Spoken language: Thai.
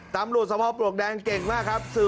ตำรวจสภาพปลวกแดงเก่งมากครับ